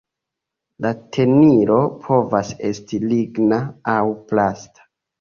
La tenilo povas esti ligna aŭ plasta.